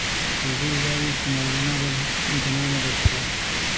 او دوی وايي چې مولنا بله هېڅ ګناه نه ده کړې.